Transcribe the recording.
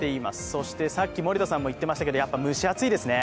そして、さっき森田さんも言ってましたけど、やっぱり蒸し暑いですね。